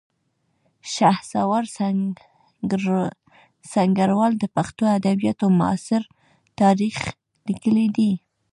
شهسوار سنګروال د پښتو ادبیاتو معاصر تاریخ لیکلی دی